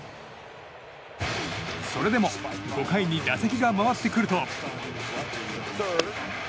それでも５回に打席が回ってくると。